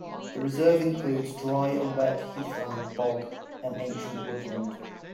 The reserve includes dry and wet heathland, bog and ancient woodland.